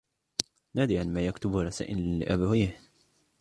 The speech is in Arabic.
نادرا ما يكتب رسائلا لأبويه.